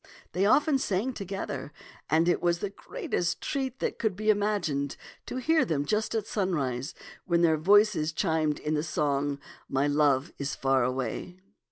They often sang together, and it was the greatest treat that could be im agined to hear them just at sunrise, when their voices chimed in the song, " My love is far away.'